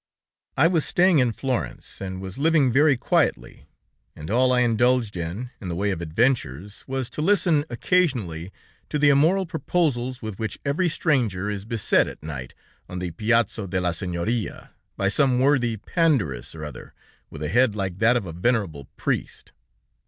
"I was staying in Florence, and was living very quietly, and all I indulged in, in the way of adventures, was to listen occasionally to the immoral proposals with which every stranger is beset at night on the Piazzo de la Signoria, by some worthy Pandarus or other, with a head like that of a venerable priest.